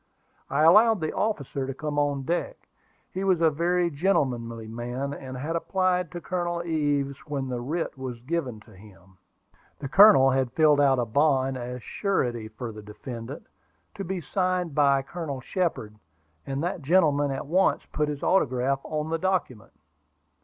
I allowed the officer to come on deck. He was a very gentlemanly man, and had applied to Colonel Ives when the writ was given to him. The colonel had filled out a bond as surety for the defendant, to be signed by Colonel Shepard; and that gentleman at once put his autograph on the document.